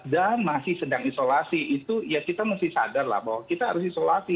dan masih sedang isolasi itu ya kita mesti sadar lah bahwa kita harus isolasi